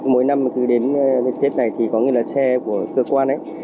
mỗi năm cứ đến tết này thì có nghĩa là xe của cơ quan ấy